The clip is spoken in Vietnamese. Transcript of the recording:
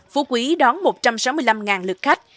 phú quý đón một trăm sáu mươi năm lượt khách